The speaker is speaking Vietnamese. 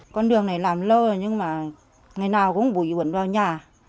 con đường này làm lâu rồi nhưng mà ngày nào cũng bụi bụi vào nhà